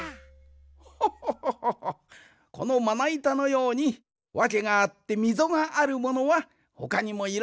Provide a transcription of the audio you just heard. ホホホホホホッこのまないたのようにわけがあってみぞがあるものはほかにもいろいろある。